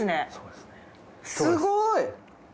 すごい！